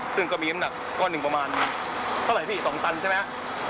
ซึ่งก็มีน้ำหนักก้อนหนึ่งประมาณเท่าไหร่พี่๒ตันใช่ไหมครับ